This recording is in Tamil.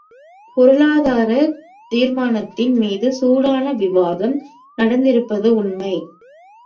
பொருளாதாரத் தீர்மானத்தின் மீது சூடான விவாதம் நடந்திருப்பது உண்மை.